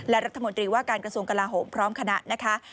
และรัฐมนตรีว่าการกระทรวงกลาโหมพร้อมคณะนะคะ